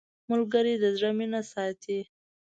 ملګری د زړه مینه ساتي